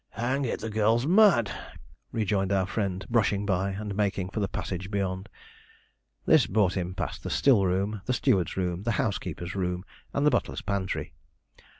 'Hang it, the girl's mad,' rejoined our friend, brushing by, and making for the passage beyond. This brought him past the still room, the steward's room, the housekeeper's room, and the butler's pantry.